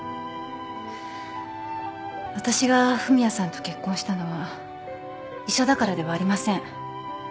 わたしが文也さんと結婚したのは医者だからではありません。